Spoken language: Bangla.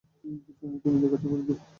জানি তুমি দেখাতে পারবে।